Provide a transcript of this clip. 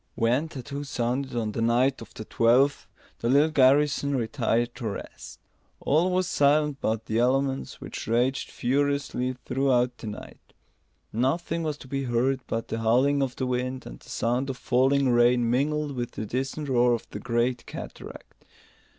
When tattoo sounded on the night of the twelfth, the little garrison retired to rest. All was silent but the elements, which raged furiously throughout the night. Nothing was to be heard but the howling of the wind and the sound of falling rain mingled with the distant roar of the great cataract.